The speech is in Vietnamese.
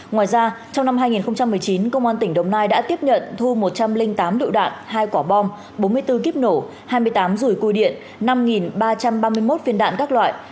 ngoài ra trong năm hai nghìn một mươi chín công an tỉnh đồng nai đã tiếp nhận thu một trăm linh tám lựu đạn hai quả bom bốn mươi bốn kiếp nổ hai mươi tám rùi cui điện năm ba trăm ba mươi một viên đạn các loại